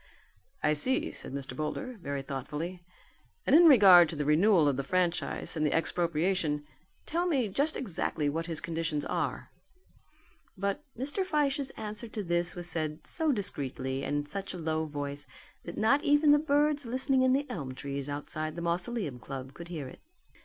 "I see," said Mr. Boulder very thoughtfully, "and in regard to the renewal of the franchise and the expropriation, tell me just exactly what his conditions are." But Mr. Fyshe's answer to this was said so discreetly and in such a low voice, that not even the birds listening in the elm trees outside the Mausoleum Club could hear it.